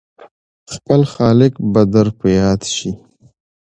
خپل خالق به در په ياد شي !